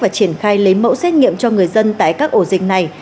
và triển khai lấy mẫu xét nghiệm cho người dân tại các ổ dịch này